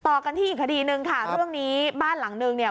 ต่อกันที่อีกคดีหนึ่งค่ะเรื่องนี้บ้านหลังนึงเนี่ย